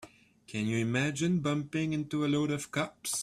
Can you imagine bumping into a load of cops?